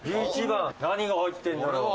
何が入ってるんだろう？」